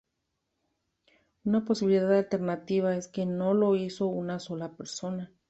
Una posibilidad alternativa es que no lo hizo una sola persona.